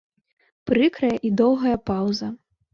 Прыкрая і доўгая паўза.